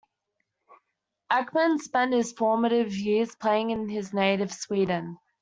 Ekman spent his formative years playing in his native Sweden.